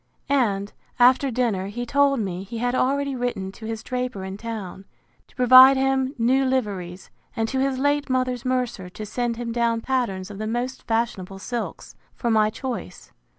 And, after dinner, he told me, he had already written to his draper, in town, to provide him new liveries; and to his late mother's mercer, to send him down patterns of the most fashionable silks, for my choice.